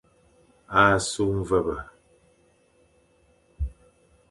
A su mvebe.